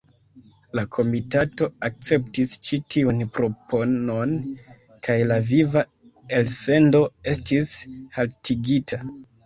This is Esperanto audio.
La komitato akceptis ĉi tiun proponon kaj la viva elsendo estis haltigita.